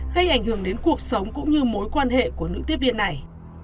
gây ảnh hưởng đến cuộc sống cũng như mối quan hệ của nữ tiếp viên này